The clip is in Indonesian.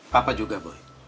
papa juga boy